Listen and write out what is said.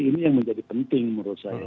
ini yang menjadi penting menurut saya